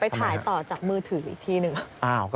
ถ่ายต่อจากมือถืออีกทีหนึ่ง